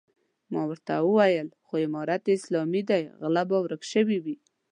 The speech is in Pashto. ما ورته وويل خو امارت اسلامي دی غله به ورک شوي وي.